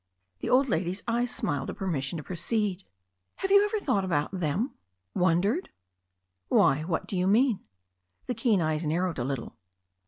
The old lady's eyes smiled a permission to proceed. "Have you ever thought about them — ^wondered?" "Why, what do you mean?" The keen eyes narrowed a little.